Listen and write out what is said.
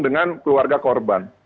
dengan keluarga korban